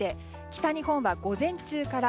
北日本は午前中から。